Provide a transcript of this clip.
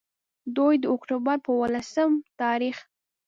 دوي د اکتوبر پۀ ولسم تاريخ